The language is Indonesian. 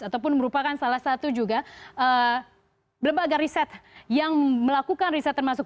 ataupun merupakan salah satu juga lembaga riset yang melakukan riset termasuk